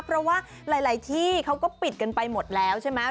เพราะว่าหลายที่เขาก็ปิดกันไปหมดแล้วใช่ไหม